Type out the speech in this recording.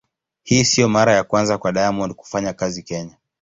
Hii sio mara ya kwanza kwa Diamond kufanya kazi Kenya.